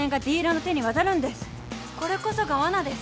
これこそがわなです。